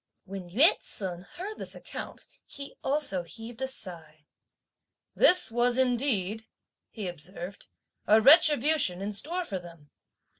When Yü ts'un heard this account he also heaved a sigh. "This was indeed," he observed, "a retribution in store for them!